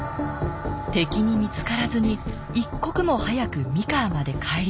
敵に見つからずに一刻も早く三河まで帰り着く。